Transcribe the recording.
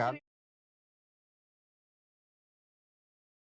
seperti saja terima kasih juga